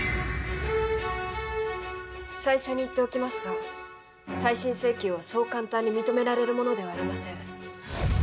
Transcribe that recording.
最初に言っておきますが再審請求はそう簡単に認められるものではありません。